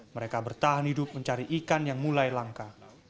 mereka bertahan hidup mencari ikan yang mulai langka